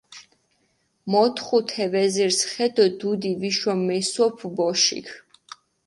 მოთხუ თე ვეზირს ხე დო დუდი ვიშო მესოფუ ბოშიქ.